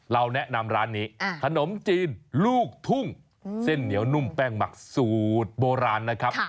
เราแนะนำร้านนี้ขนมจีนลูกทุ่งเส้นเหนียวนุ่มแป้งหมักสูตรโบราณนะครับ